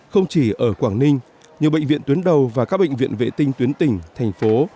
không chỉ ở quảng ninh nhiều bệnh viện tuyến đầu và các bệnh viện vệ tinh tuyến tỉnh thành phố